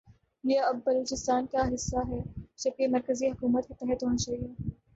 یہ اب بلوچستان کا حصہ ھے جبکہ یہ مرکزی حکومت کے تحت ھوناچاھیے۔